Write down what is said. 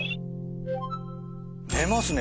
寝ますね。